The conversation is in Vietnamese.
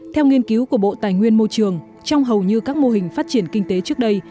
theo nghiên cứu của bộ tài nguyên môi trường trong hầu như các mô hình phát triển kinh tế trước đây